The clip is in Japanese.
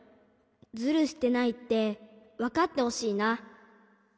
ズルしてないってわかってほしいな。